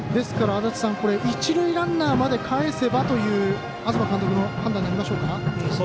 一塁ランナーまでかえせばという東監督の判断になりましょうか。